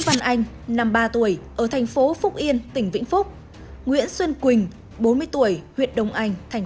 duy tùng năm mươi ba tuổi ở thành phố phúc yên tỉnh vĩnh phúc nguyễn xuân quỳnh bốn mươi tuổi huyệt đông anh thành